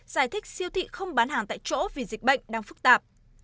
giải thích siêu thị không bán hàng tại chỗ vì dịch bệnh đang phức tạp